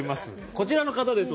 こちらの方です。